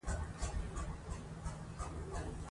دې کاروان کي به دي پلونه وای تڼاکي